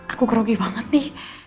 aku kerugi banget di